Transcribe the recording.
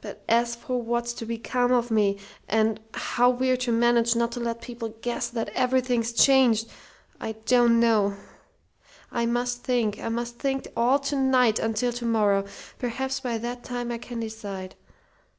But as for what's to become of me, and how we're to manage not to let people guess that everything's changed, I don't know! I must think. I must think all to night, until to morrow. Perhaps by that time I can decide.